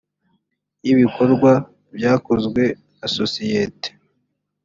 y ibikorwa byakozwe na sosiyite